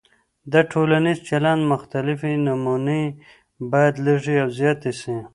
د ټولنیز چلند مختلفې نمونې باید لږې او زیاتې سي.